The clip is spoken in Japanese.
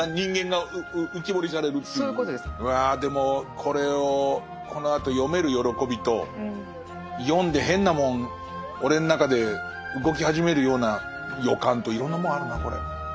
うわでもこれをこのあと読める喜びと読んで変なもん俺の中で動き始めるような予感といろんなもんあるなこれ。